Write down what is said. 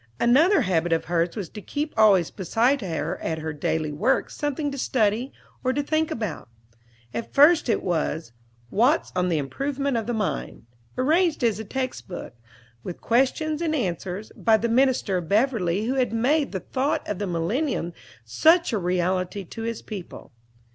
Another habit of hers was to keep always beside her at her daily work something to study or to think about. At first it was "Watts on the Improvement of the Mind," arranged as a textbook, with questions and answers, by the minister of Beverly who had made the thought of the millennium such a reality to his people.